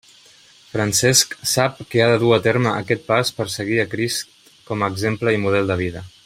Francesc sap que ha de dur a terme aquest pas per seguir a Crist com a exemple i model de vida.